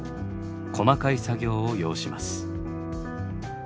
細かい作業を要します。